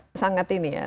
dan ini sangat ini ya